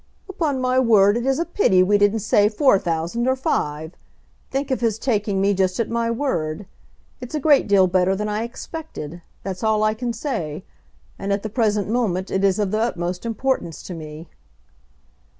"Upon my word it is a pity we didn't say four thousand, or five. Think of his taking me just at my word. It's a great deal better than I expected; that's all I can say. And at the present moment it is of the utmost importance to me."